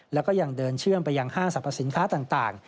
แล้วก็ยังเดินเชื่อมไปยังห้างสรรพสินค้าต่าง